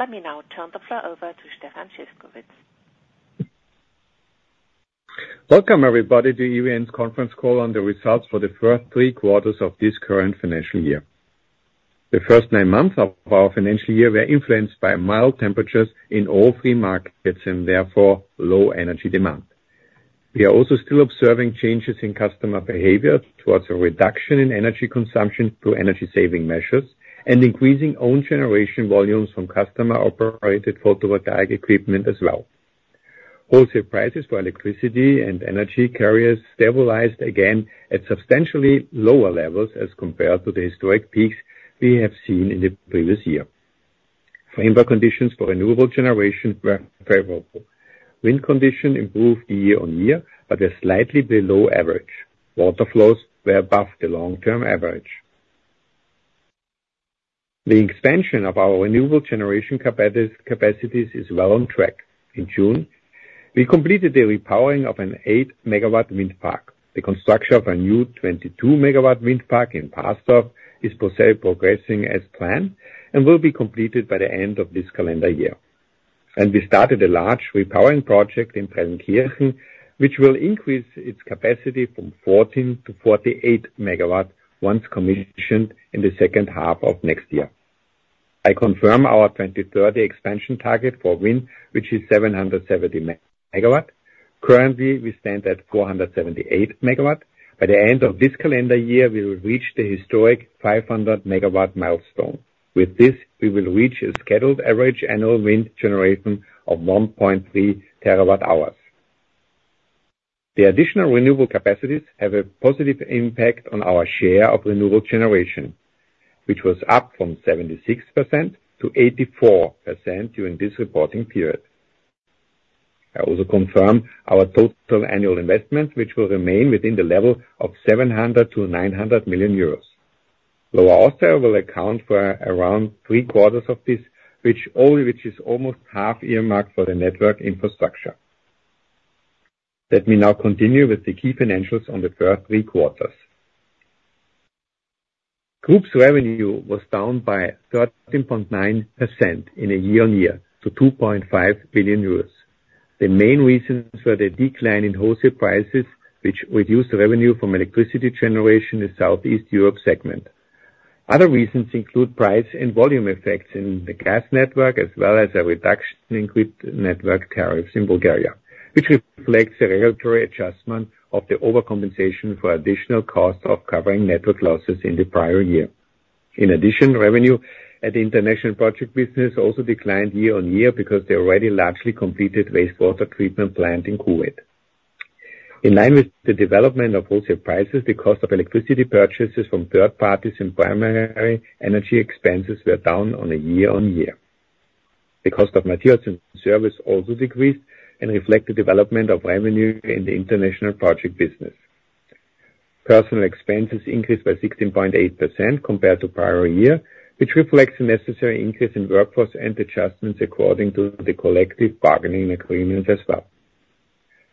Let me now turn the floor over to Stefan Szyszkowitz. Welcome, everybody, to EVN's Conference Call on the results for the first three quarters of this current financial year. The first nine months of our financial year were influenced by mild temperatures in all three markets, and therefore, low energy demand. We are also still observing changes in customer behavior towards a reduction in energy consumption through energy-saving measures, and increasing own generation volumes from customer-operated photovoltaic equipment as well. Wholesale prices for electricity and energy carriers stabilized again at substantially lower levels as compared to the historic peaks we have seen in the previous year. Framework conditions for renewable generation were favorable. Wind conditions improved year-on-year, but they're slightly below average. Water flows were above the long-term average. The expansion of our renewable generation capacities is well on track. In June, we completed the repowering of an eight-MW wind park. The construction of a new 22-MW wind park in Palterndorf-Dobermannsdorf is progressing as planned, and will be completed by the end of this calendar year, and we started a large repowering project in Prellenkirchen, which will increase its capacity from 14 to 48 MW once commissioned in the second half of next year. I confirm our 2030 expansion target for wind, which is 770 MW. Currently, we stand at 478 MW. By the end of this calendar year, we will reach the historic 500 MW milestone. With this, we will reach a scheduled average annual wind generation of 1.3 terawatt-hours. The additional renewable capacities have a positive impact on our share of renewable generation, which was up from 76% to 84% during this reporting period. I also confirm our total annual investment, which will remain within the level of 700-900 million euros. Lower Austria also will account for around three quarters of this, which is almost half earmarked for the network infrastructure. Let me now continue with the key financials on the first three quarters. Group's revenue was down by 13.9% year-on-year to 2.5 billion euros. The main reasons were the decline in wholesale prices, which reduced the revenue from electricity generation in Southeast Europe segment. Other reasons include price and volume effects in the gas network, as well as a reduction in grid network tariffs in Bulgaria, which reflects a regulatory adjustment of the overcompensation for additional costs of covering network losses in the prior year. In addition, revenue at the international project business also declined year-on-year because they already largely completed wastewater treatment plant in Kuwait. In line with the development of wholesale prices, the cost of electricity purchases from third parties and primary energy expenses were down on a year-on-year. The cost of materials and service also decreased and reflect the development of revenue in the international project business. Personnel expenses increased by 16.8% compared to prior year, which reflects the necessary increase in workforce and adjustments according to the collective bargaining agreements as well.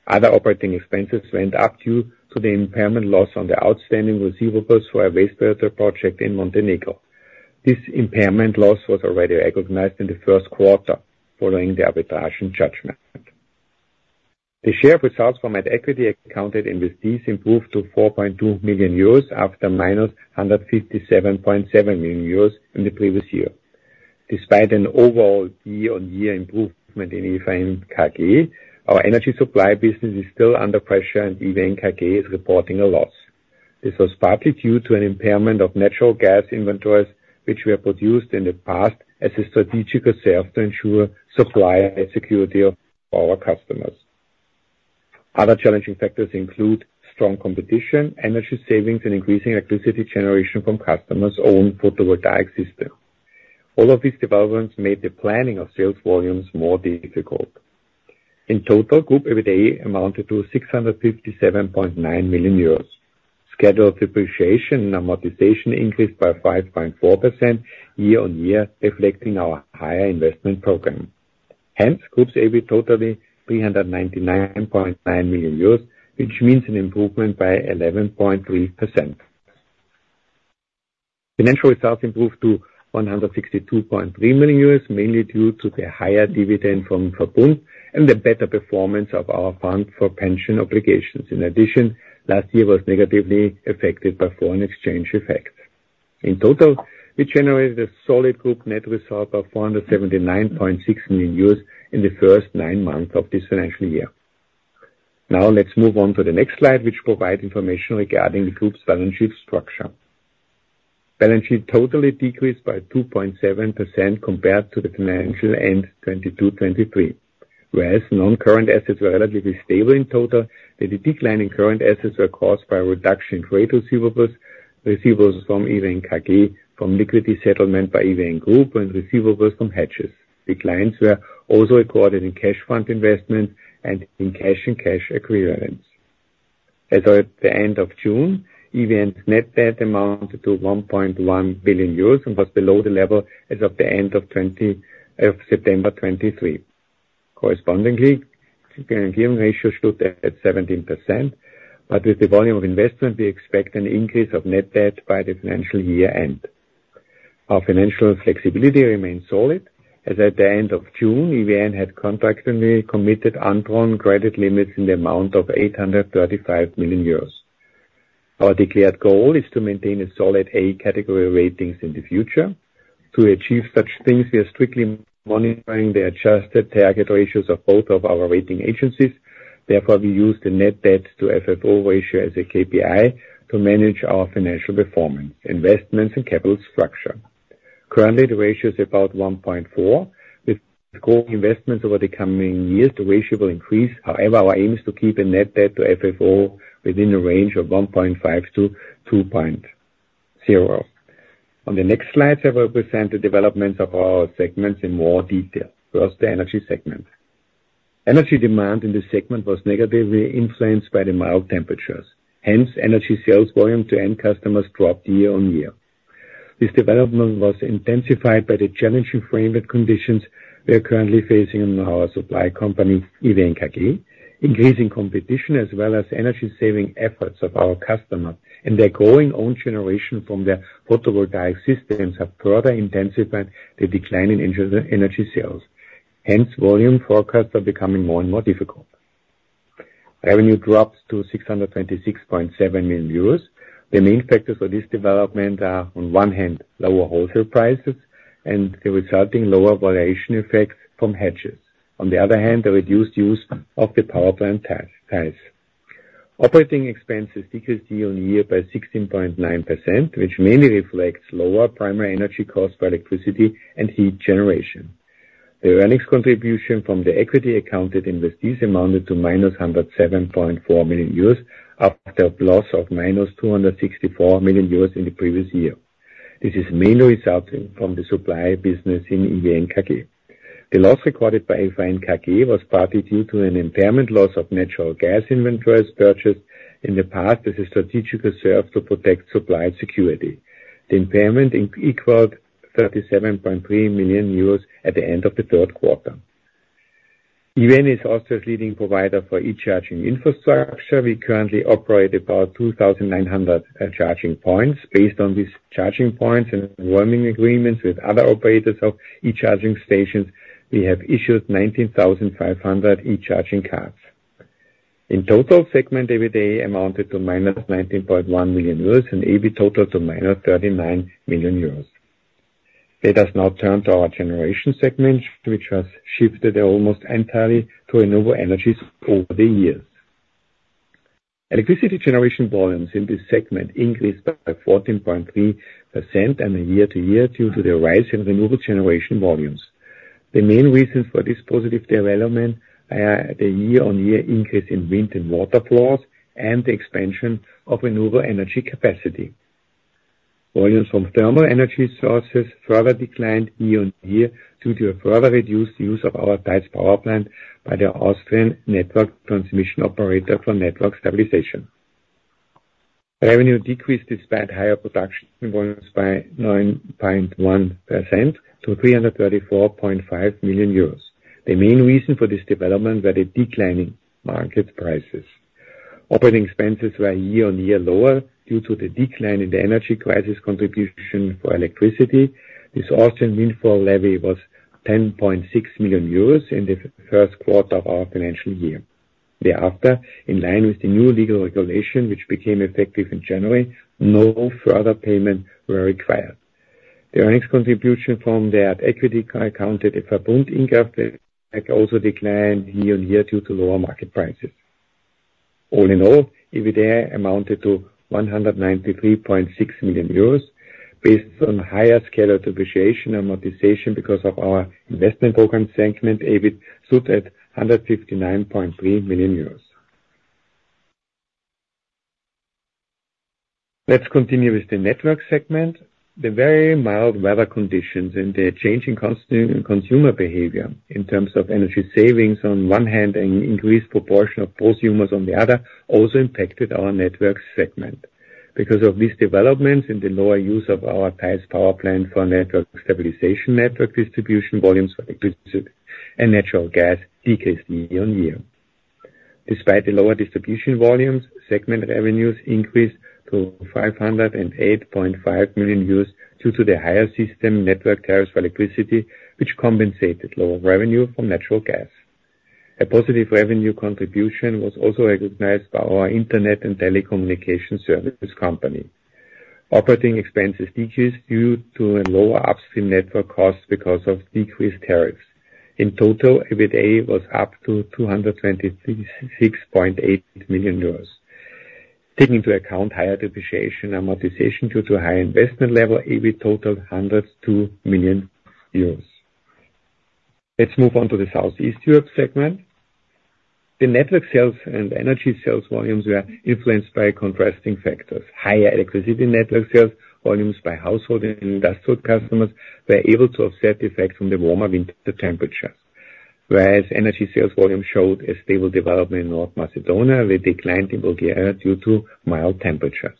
Other operating expenses went up due to the impairment loss on the outstanding receivables for a wastewater project in Montenegro. This impairment loss was already recognized in the first quarter, following the arbitration judgment. The share of results from equity accounted investees improved to 4.2 million euros, after -157.7 million euros in the previous year. Despite an overall year-on-year improvement in EVN KG, our energy supply business is still under pressure, and EVN KG is reporting a loss. This was partly due to an impairment of natural gas inventories, which were produced in the past as a strategic reserve to ensure supply and security of our customers. Other challenging factors include strong competition, energy savings, and increasing electricity generation from customers' own photovoltaic system. All of these developments made the planning of sales volumes more difficult. In total, group EBITDA amounted to 657.9 million euros. Scheduled depreciation and amortization increased by 5.4% year-on-year, reflecting our higher investment program. Hence, group's EBITDA 399.9 million euros, which means an improvement by 11.3%. Financial results improved to 162.3 million, mainly due to the higher dividend from Verbund and the better performance of our fund for pension obligations. In addition, last year was negatively affected by foreign exchange effect. In total, we generated a solid group net result of 479.6 million euros in the first nine months of this financial year. Now, let's move on to the next slide, which provides information regarding the group's balance sheet structure. Balance sheet total decreased by 2.7% compared to the financial year-end 2022/23. Whereas non-current assets were relatively stable in total, with the decline in current assets were caused by a reduction in trade receivables, receivables from EVN KG, from liquidity settlement by EVN Group, and receivables from hedges. Declines were also recorded in cash fund investment and in cash and cash equivalents. As at the end of June, EVN's net debt amounted to 1.1 billion euros and was below the level as of the end of September 2023. Correspondingly, the gearing ratio stood at 17%, but with the volume of investment, we expect an increase of net debt by the financial year end. Our financial flexibility remains solid, as at the end of June, EVN had contractually committed undrawn credit limits in the amount of 835 million euros. Our declared goal is to maintain a solid A category ratings in the future. To achieve such things, we are strictly monitoring the adjusted target ratios of both of our rating agencies. Therefore, we use the net debt to FFO ratio as a KPI to manage our financial performance, investments, and capital structure. Currently, the ratio is about one point four. With core investments over the coming years, the ratio will increase. However, our aim is to keep a net debt to FFO within a range of one point five to two point zero. On the next slide, I will present the development of our segments in more detail. First, the energy segment. Energy demand in this segment was negatively influenced by the mild temperatures. Hence, energy sales volume to end customers dropped year-on-year. This development was intensified by the challenging framework conditions we are currently facing in our supply company, EVN KG. Increasing competition, as well as energy saving efforts of our customers and their growing own generation from their photovoltaic systems, have further intensified the decline in energy sales. Hence, volume forecasts are becoming more and more difficult. Revenue dropped to 626.7 million euros. The main factors for this development are, on one hand, lower wholesale prices and the resulting lower variation effect from hedges. On the other hand, the reduced use of the power plant in Theiss. Operating expenses decreased year-on-year by 16.9%, which mainly reflects lower primary energy costs for electricity and heat generation. The earnings contribution from the equity accounted investees amounted to −107.4 million euros, after a loss of −264 million euros in the previous year. This is mainly resulting from the supply business in EVN KG. The loss recorded by EVN KG was partly due to an impairment loss of natural gas inventories purchased in the past as a strategic reserve to protect supply security. The impairment incurred equaled 37.3 million euros at the end of the third quarter. EVN is also a leading provider for e-charging infrastructure. We currently operate about 2,900 charging points. Based on these charging points and roaming agreements with other operators of e-charging stations, we have issued 19,500 e-charging cards. In total, segment EBITDA amounted to minus 19.1 million euros and EBIT total to minus 39 million euros. Let us now turn to our generation segment, which has shifted almost entirely to renewable energies over the years. Electricity generation volumes in this segment increased by 14.3% year to year, due to the rise in renewable generation volumes. The main reasons for this positive development are the year-on-year increase in wind and water flows and the expansion of renewable energy capacity. Volumes from thermal energy sources further declined year-on-year, due to a further reduced use of our Theiss Power Plant by the Austrian network transmission operator for network stabilization. Revenue decreased, despite higher production volumes, by 9.1% to 334.5 million euros. The main reason for this development were the declining market prices. Operating expenses were year-on-year lower due to the decline in the energy crisis contribution for electricity. This Austrian windfall levy was 10.6 million euros in the first quarter of our financial year. Thereafter, in line with the new legal regulation, which became effective in January, no further payments were required. The earnings contribution from the equity accounted investee Verbund in Austria also declined year-on-year due to lower market prices. All in all, EBITDA amounted to 193.6 million euros. Based on higher scheduled depreciation and amortization because of our investment program in the segment, EBIT stood at 159.3 million euros. Let's continue with the network segment. The very mild weather conditions and the changing consumer behavior in terms of energy savings on one hand, and increased proportion of prosumers on the other, also impacted our network segment. Because of these developments and the lower use of our Theiss Power Plant for network stabilization, network distribution volumes for electricity and natural gas decreased year-on-year. Despite the lower distribution volumes, segment revenues increased to 508.5 million due to the higher system network tariffs for electricity, which compensated lower revenue from natural gas. A positive revenue contribution was also recognized by our internet and telecommunication services company. Operating expenses decreased due to a lower upstream network cost because of decreased tariffs. In total, EBITDA was up to 223.68 million euros. Taking into account higher depreciation amortization due to higher investment level, EBIT totaled 102 million euros. Let's move on to the Southeast Europe segment. The network sales and energy sales volumes were influenced by contrasting factors. Higher electricity network sales volumes by household and industrial customers were able to offset the effect from the warmer winter temperatures. Whereas energy sales volume showed a stable development in North Macedonia, with a decline in Bulgaria due to mild temperatures.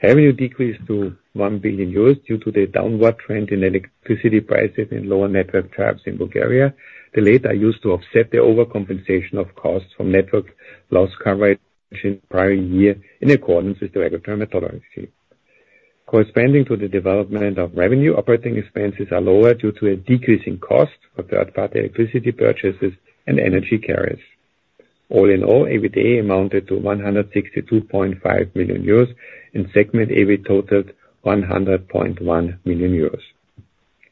Revenue decreased to 1 billion euros due to the downward trend in electricity prices and lower network tariffs in Bulgaria. The latter are used to offset the overcompensation of costs from network loss coverage prior year, in accordance with the regulatory methodology. Corresponding to the development of revenue, operating expenses are lower due to a decrease in cost of third-party electricity purchases and energy carriers. All in all, EBITDA amounted to 162.5 million euros, and segment EBIT totaled 100.1 million euros.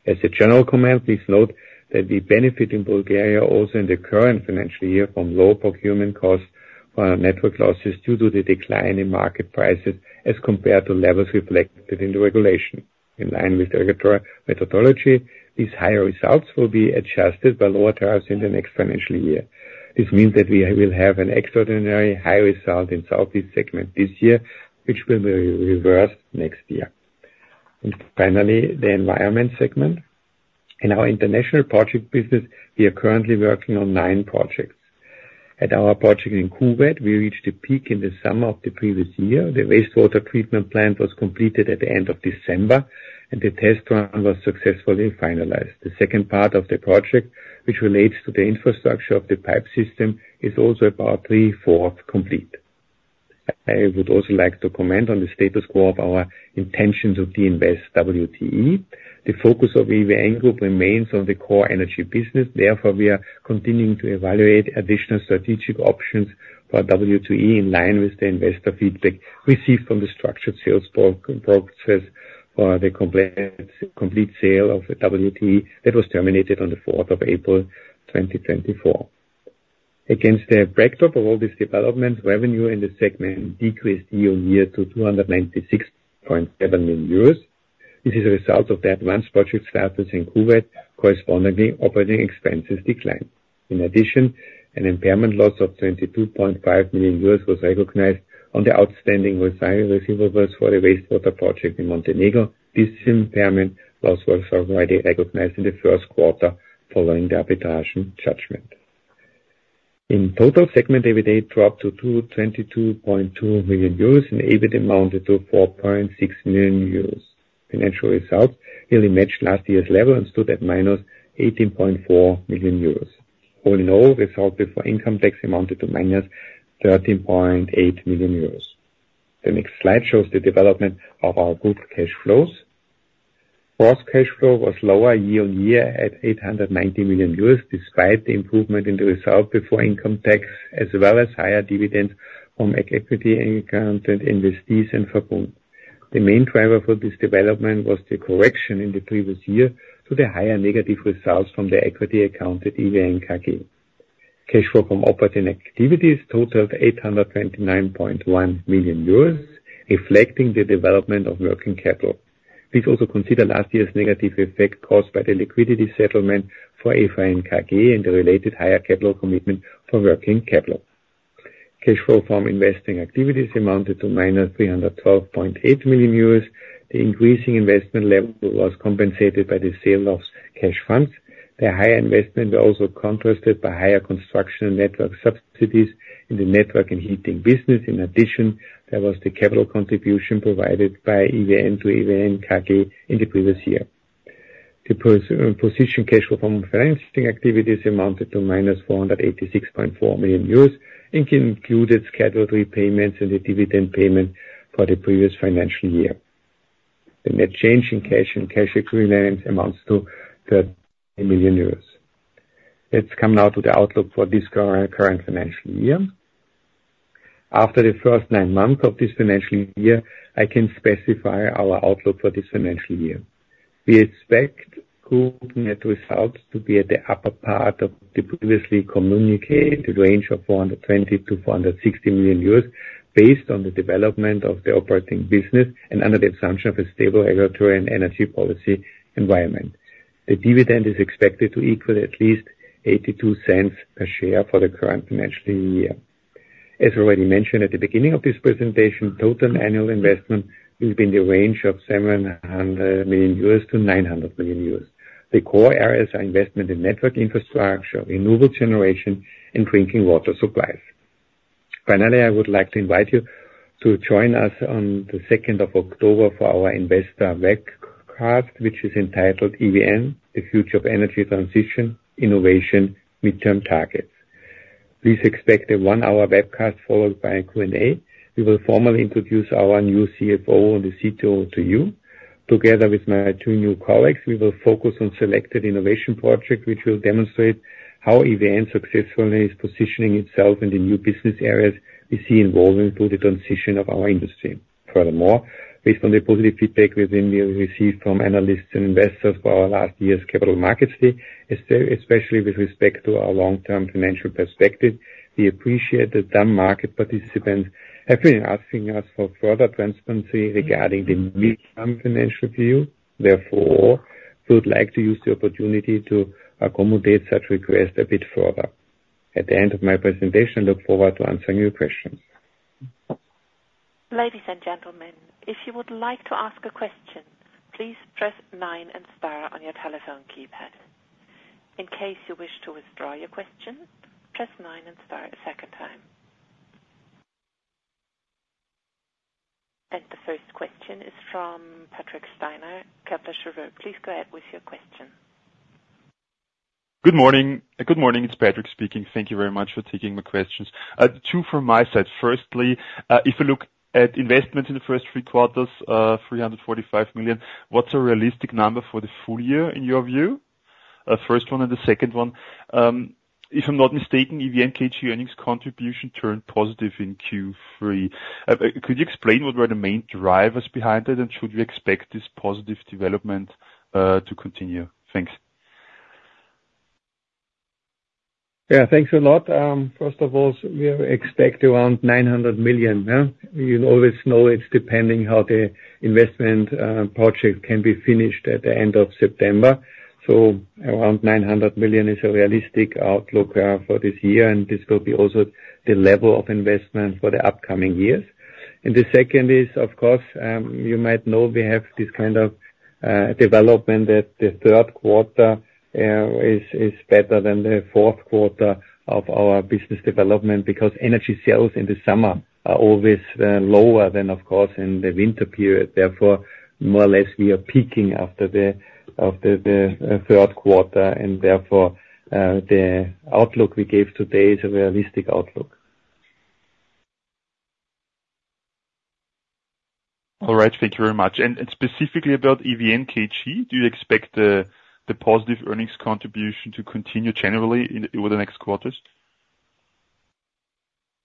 As a general comment, please note that we benefit in Bulgaria also in the current financial year from lower procurement costs for our network losses due to the decline in market prices as compared to levels reflected in the regulation. In line with the regulatory methodology, these higher results will be adjusted by lower tariffs in the next financial year. This means that we will have an extraordinary high result in Southeast segment this year, which will be reversed next year, and finally, the environment segment. In our international project business, we are currently working on nine projects. At our project in Kuwait, we reached a peak in the summer of the previous year. The wastewater treatment plant was completed at the end of December, and the test run was successfully finalized. The second part of the project, which relates to the infrastructure of the pipe system, is also about three-fourths complete. I would also like to comment on the status quo of our intentions to deinvest WTE. The focus of EVN Group remains on the core energy business. Therefore, we are continuing to evaluate additional strategic options for WTE, in line with the investor feedback received from the structured sales process for the complete sale of the WTE that was terminated on the fourth of April, 2024. Against the backdrop of all these developments, revenue in the segment decreased year on year to 296.7 million euros. This is a result of the advanced project status in Kuwait. Correspondingly, operating expenses declined. In addition, an impairment loss of 22.5 million euros was recognized on the outstanding receivables for the wastewater project in Montenegro. This impairment loss was already recognized in the first quarter following the arbitration judgment. In total, segment EBITDA dropped to 222.2 million euros, and EBIT amounted to 4.6 million euros. Financial results nearly matched last year's level and stood at -18.4 million euros. All in all, result before income tax amounted to -13.8 million euros. The next slide shows the development of our group cash flows. Gross cash flow was lower year on year at 890 million, despite the improvement in the result before income tax, as well as higher dividend from equity accounted investees and Verbund. The main driver for this development was the correction in the previous year to the higher negative results from the equity accounted EVN KG. Cash flow from operating activities totaled 829.1 million euros, reflecting the development of working capital. Please also consider last year's negative effect caused by the liquidity settlement for EVN KG and the related higher capital commitment for working capital. Cash flow from investing activities amounted to minus 312.8 million euros. The increasing investment level was compensated by the sale of cash funds. The higher investment was also contrasted by higher construction and network subsidies in the network and heating business. In addition, there was the capital contribution provided by EVN to EVN KG in the previous year. The position, cash flow from financing activities amounted to minus 486.4 million euros and included scheduled repayments and the dividend payment for the previous financial year. The net change in cash and cash equivalents amounts to 13 million euros. Let's come now to the outlook for this current financial year. After the first nine months of this financial year, I can specify our outlook for this financial year. We expect group net results to be at the upper part of the previously communicated range of 420 million-460 million euros, based on the development of the operating business and under the assumption of a stable regulatory and energy policy environment. The dividend is expected to equal at least 0.82 per share for the current financial year. As already mentioned at the beginning of this presentation, total annual investment will be in the range of 700 million-900 million euros. The core areas are investment in network infrastructure, renewable generation, and drinking water supplies. Finally, I would like to invite you to join us on the second of October for our investor webcast, which is entitled EVN: The Future of Energy Transition, Innovation, Mid-Term Targets. Please expect a one-hour webcast, followed by a Q&A. We will formally introduce our new CFO and the CTO to you. Together with my two new colleagues, we will focus on selected innovation projects, which will demonstrate how EVN successfully is positioning itself in the new business areas we see evolving through the transition of our industry. Furthermore, based on the positive feedback we've received from analysts and investors for our last year's capital markets day, especially with respect to our long-term financial perspective, we appreciate that some market participants have been asking us for further transparency regarding the mid-term financial view. Therefore, we would like to use the opportunity to accommodate such requests a bit further. At the end of my presentation, I look forward to answering your questions. Ladies and gentlemen, if you would like to ask a question, please press nine and star on your telephone keypad. In case you wish to withdraw your question, press nine and star a second time. And the first question is from Patrick Steiner, Kepler Cheuvreux. Please go ahead with your question. Good morning. Good morning, it's Patrick speaking. Thank you very much for taking my questions. Two from my side. Firstly, if you look at investment in the first three quarters, 345 million EUR, what's a realistic number for the full year, in your view? First one, and the second one, if I'm not mistaken, EVN KG earnings contribution turned positive in Q3. Could you explain what were the main drivers behind it? And should we expect this positive development to continue? Thanks. Yeah, thanks a lot. First of all, we expect around 900 million, yeah. You always know it's depending how the investment project can be finished at the end of September. So around 900 million is a realistic outlook for this year, and this will be also the level of investment for the upcoming years. And the second is, of course, you might know we have this kind of development, that the third quarter is better than the fourth quarter of our business development. Because energy sales in the summer are always lower than, of course, in the winter period. Therefore, more or less, we are peaking after the third quarter, and therefore the outlook we gave today is a realistic outlook. All right. Thank you very much. And specifically about EVN KG, do you expect the positive earnings contribution to continue generally in over the next quarters?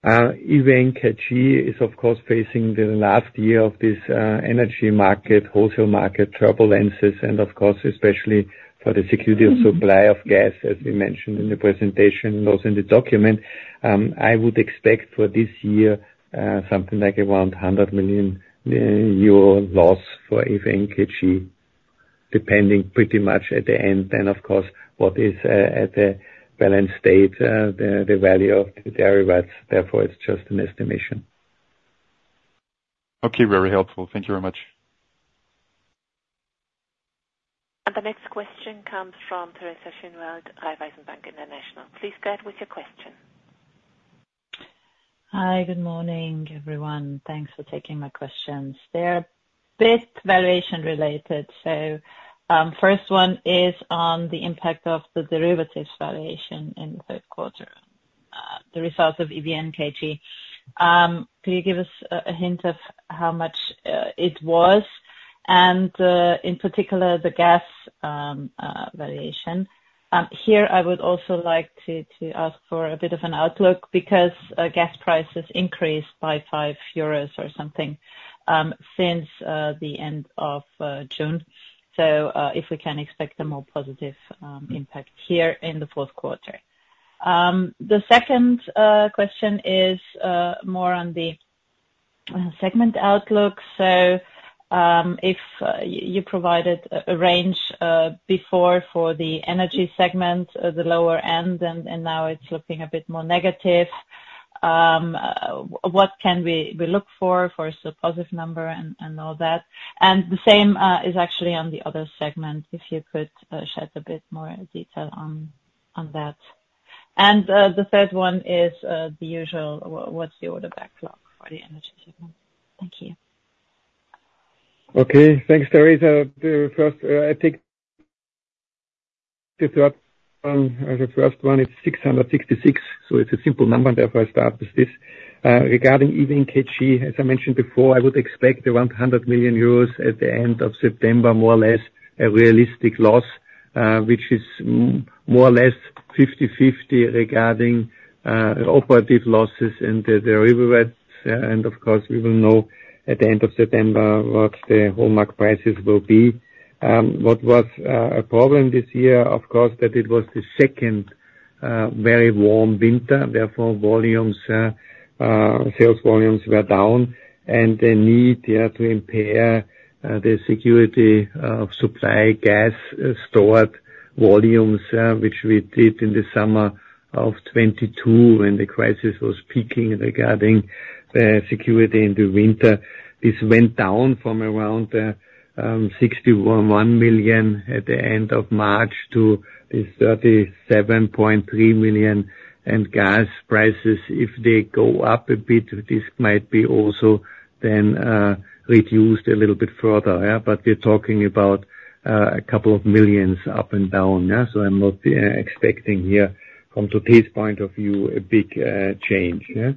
EVN KG is, of course, facing the last year of this, energy market, wholesale market turbulences, and of course, especially for the security of supply of gas, as we mentioned in the presentation and also in the document. I would expect for this year, something like around 100 million euro loss for EVN KG, depending pretty much at the end. Then, of course, what is at the balance state the value of the derivatives, therefore, it's just an estimation. Okay, very helpful. Thank you very much. The next question comes from Teresa Schinwald, Raiffeisen Bank International. Please go ahead with your question. Hi, good morning, everyone. Thanks for taking my questions. They're a bit valuation related. So first one is on the impact of the derivatives valuation in the Q3, the results of EVN KG. Could you give us a hint of how much it was and, in particular, the gas valuation? Here, I would also like to ask for a bit of an outlook, because gas prices increased by 5 euros or something, since the end of June. So if we can expect a more positive impact here in the Q4. The second question is more on the segment outlook. So if you provided a range before for the energy segment, the lower end, and now it's looking a bit more negative. What can we look for for a positive number and all that? And the same is actually on the other segment, if you could shed a bit more detail on that. And the third one is the usual, what's the order backlog for the energy segment? Thank you. Okay. Thanks, Teresa. The first, I think, the third one, the first one is 666. So it's a simple number, and therefore I start with this. Regarding EVN KG, as I mentioned before, I would expect around 100 million euros at the end of September, more or less, a realistic loss, which is more or less fifty-fifty regarding operative losses and the derivatives, and of course, we will know at the end of September what the whole market prices will be. What was a problem this year, of course, that it was the second very warm winter, therefore, sales volumes were down, and the need, yeah, to impair the security of supply gas stored volumes, which we did in the summer of 2022, when the crisis was peaking regarding security in the winter. This went down from around 61 million at the end of March to 37.3 million, and gas prices, if they go up a bit, this might be also then reduced a little bit further, yeah, but we're talking about a couple of millions up and down, yeah, so I'm not expecting here, from today's point of view, a big change, yeah?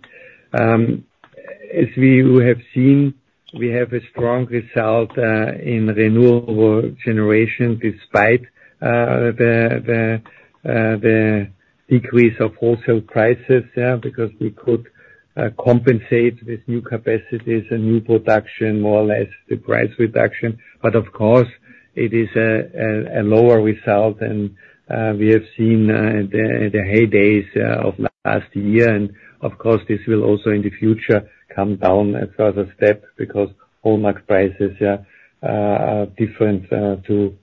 As we have seen, we have a strong result in renewable generation, despite the decrease of wholesale prices, because we could compensate with new capacities and new production, more or less the price reduction. But of course, it is a lower result than we have seen the heydays of last year. And of course, this will also in the future come down a further step, because wholesale market prices are different to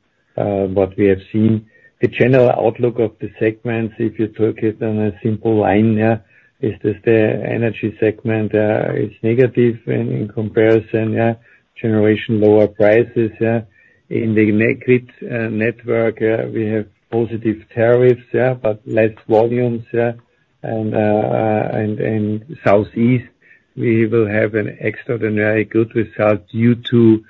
what we have seen. The general outlook of the segments, if you took it on a simple line, is just the energy segment is negative in comparison. Generation, lower prices. In the grid network, we have positive tariffs, but less volumes. Southeast, we will have an extraordinary good result due to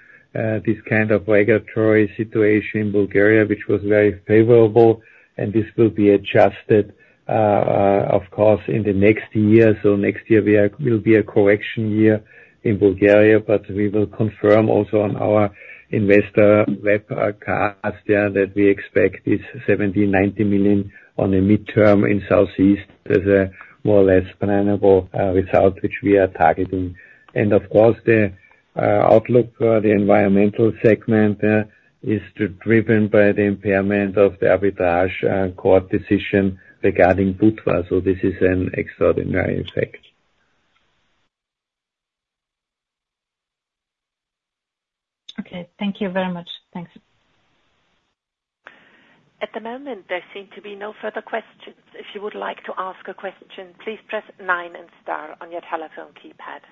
this kind of regulatory situation in Bulgaria, which was very favorable, and this will be adjusted, of course, in the next year. Next year will be a correction year in Bulgaria, but we will confirm also on our investor webcast, yeah, that we expect this 70-90 million on a midterm in Southeast. There's a more or less plannable result which we are targeting. And of course, the outlook for the environmental segment is driven by the impairment of the arbitration court decision regarding Budva. This is an extraordinary effect. Okay, thank you very much. Thanks. At the moment, there seem to be no further questions. If you would like to ask a question, please press nine and star on your telephone keypad.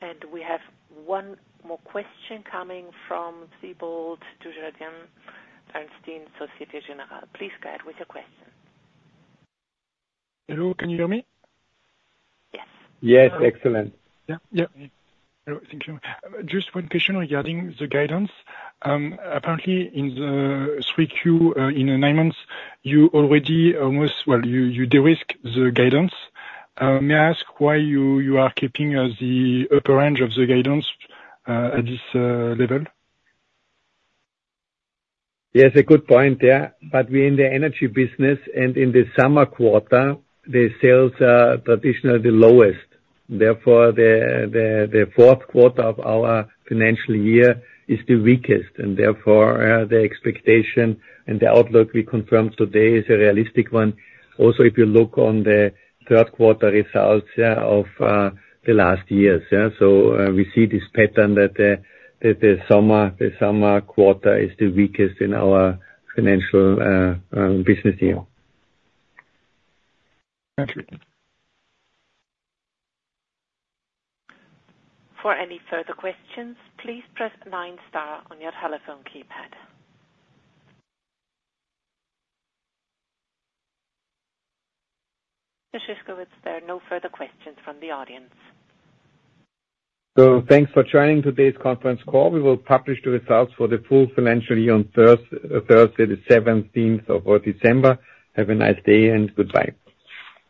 And we have one more question coming from Siebold Dugerian, Erste & Société Générale. Please go ahead with your question. Hello, can you hear me? Yes. Yes. Excellent. Yeah, yeah. Thank you. Just one question regarding the guidance. Apparently, in the 3Q, in the nine months, you already almost, well, de-risk the guidance. May I ask why you are keeping the upper range of the guidance at this level? Yes, a good point, yeah. But we're in the energy business, and in the summer quarter, the sales are traditionally the lowest. Therefore, the Q4 of our financial year is the weakest, and therefore, the expectation and the outlook we confirmed today is a realistic one. Also, if you look on the Q3 results, yeah, of the last years, yeah? So, we see this pattern that the summer quarter is the weakest in our financial business year. Thank you. For any further questions, please press nine star on your telephone keypad. Mr. Szyszkowitz, there are no further questions from the audience. So thanks for joining today's conference call. We will publish the results for the full financial year on Thurs- Thursday, the seventeenth of December. Have a nice day and goodbye.